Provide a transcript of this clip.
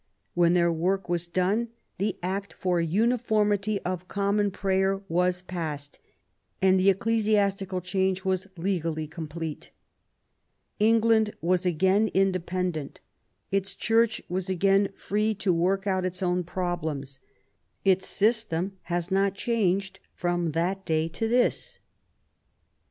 When their work was done, the Act for Uniformity of Common Prayer was passed, and the ecclesiastical change was legally complete. England was again independent. Its Church was again free to work out its own problems. Its system has not changed from that day to this.